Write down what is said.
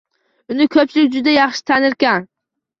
Uni ko`pchilik juda yaxshi tanirkan